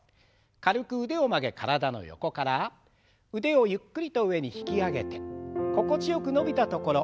軽く腕を曲げ体の横から腕をゆっくりと上に引き上げて心地よく伸びたところ。